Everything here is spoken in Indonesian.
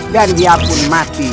dan dia pun mati